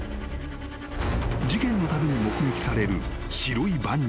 ［事件のたびに目撃される白いバンに対し］